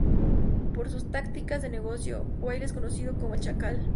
Por sus tácticas de negocio, Wylie es conocido como El Chacal.